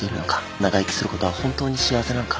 長生きすることは本当に幸せなのか。